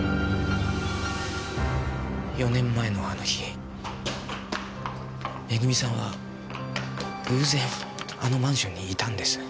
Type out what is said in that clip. ４年前のあの日恵さんは偶然あのマンションにいたんです。